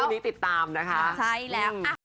พวกนี้ติดตามนะคะใช่แล้ว